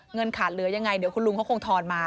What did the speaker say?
เงินขาดเหลือยังไงเดี๋ยวคุณลุงเขาคงทอนมา